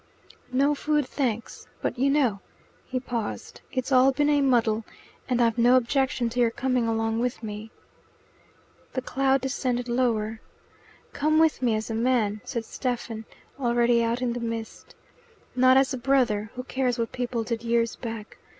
"No food, thanks. But you know" He paused. "It's all been a muddle, and I've no objection to your coming along with me." The cloud descended lower. "Come with me as a man," said Stephen, already out in the mist. "Not as a brother; who cares what people did years back?